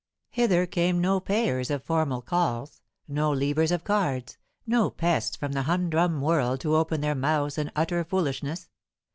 Hither came no payers of formal calls, no leavers of cards, no pests from the humdrum world to open their mouths and utter foolishness.